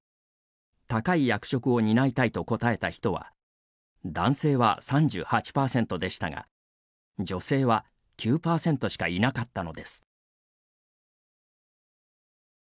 「高い役職を担いたい」と答えた人は男性は３８％でしたが女性は９％しかいなかったのです。